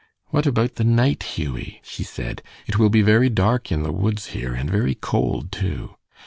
"What about the night, Hughie?" she said. "It will be very dark in the woods here, and very cold, too.